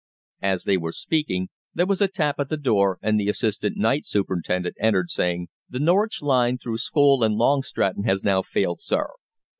As they were speaking, there was a tap at the door, and the assistant night superintendent entered, saying: "The Norwich line through Scole and Long Stratton has now failed, sir.